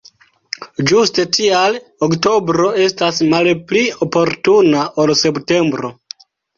Ĝuste tial oktobro estas malpli oportuna ol septembro.